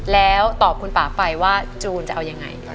แล้วตอบคุณป่าไปว่าจูนจะเอายังไง